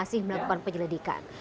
masih melakukan penyelidikan